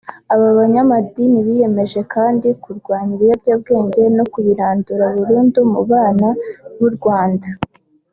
Aba banyamadini biyemeje kandi kurwanya ibiyobyabwenge no kubirandura burundu mu bana b’u Rwanda